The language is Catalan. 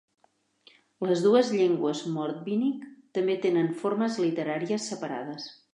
Les dues llengües mordvinic també tenen formes literàries separades.